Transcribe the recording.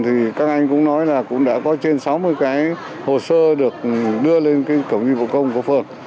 thì các anh cũng nói là cũng đã có trên sáu mươi cái hồ sơ được đưa lên cái cổng dịch vụ công của phường